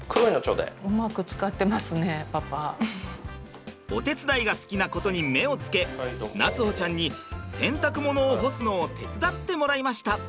あっお手伝いが好きなことに目をつけ夏歩ちゃんに洗濯物を干すのを手伝ってもらいました。